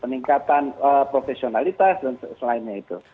peningkatan profesionalitas dan selainnya itu